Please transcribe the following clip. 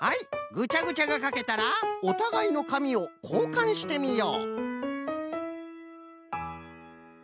ぐちゃぐちゃがかけたらおたがいのかみをこうかんしてみよう。